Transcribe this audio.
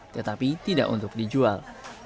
tetapi tidak untuk dijual